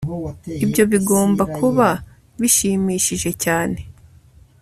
ibyo bigomba kuba bishimishije cyane